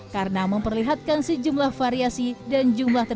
karena memperlihatkan sejumlah karyawan yang diperlukan untuk menjaga kepentingan kerja mereka